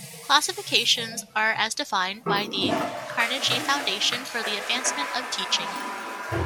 Classifications are as defined by the Carnegie Foundation for the Advancement of Teaching.